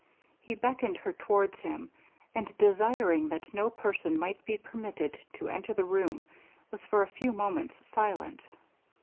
He beckoned her towards him, and desiring that no person might be permitted to enter the room, was for a few moments silent.